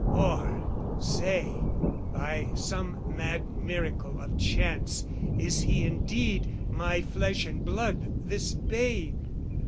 Or say, by some mad miracle of chance, Is he indeed my flesh and blood, this babe?